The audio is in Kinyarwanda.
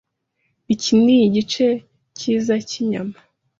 Iki nigice cyiza cyinyama.